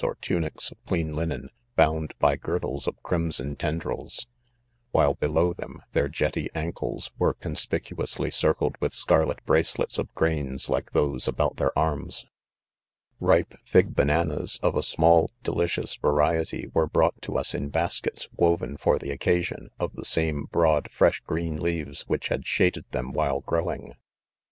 or tunics of clean linen, bound by girdles of crimson ten drils ; while below them, their jetty ancles were conspicuously circled with scarlet bracelets of grains like those about their arms. hi'iTn.ax Tl/v^KdriiayvQo at c& cnnnnll j l < vt t cn T ra i^t *a ago g* » j * ty, were brought to us in baskets, woven for the occasion, "of the same broad, fresh green leaves which had shaded them while grow ing.